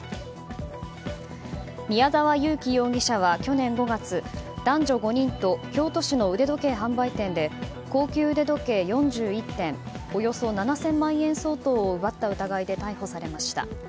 宮沢優樹容疑者は去年５月男女５人と京都市の腕時計販売店で高級腕時計４１点およそ７０００万円相当を奪った疑いで逮捕されました。